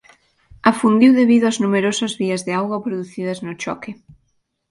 Afundiu debido ás numerosas vías de auga producidas no choque.